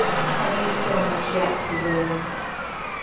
Have you so much yet to learn?"